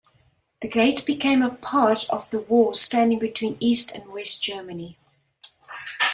The gate became a part of the wall, standing between East and West Germany.